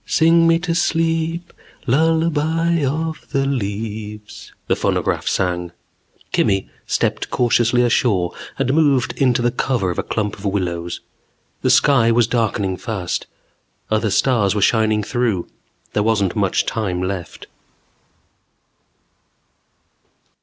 "Sing me to sleep, lullaby of the leaves" the phonograph sang. Kimmy stepped cautiously ashore and moved into the cover of a clump of willows. The sky was darkening fast. Other stars were shining through. There wasn't much time left.